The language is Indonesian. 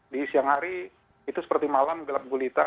di siang hari itu seperti malam gelap gulita